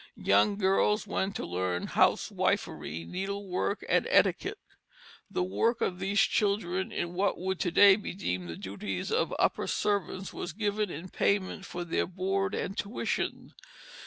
Young girls went to learn housewifery, needlework, and etiquette. The work of these children in what would to day be deemed the duties of upper servants was given in payment for their board and tuition.